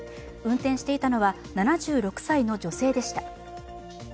運転していたのは７６歳の女性でした。